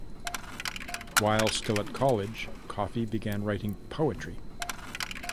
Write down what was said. While still at college, Coffey began writing poetry.